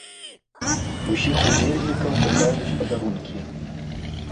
Усіх удзельнікаў чакаюць падарункі.